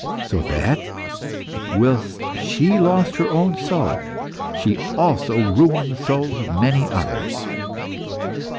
So that, whilst she lost her own soul, she also ruined the souls of many others.